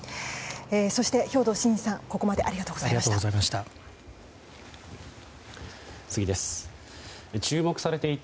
そして兵頭慎治さん、ここまでありがとうございました。